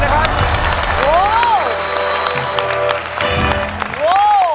โห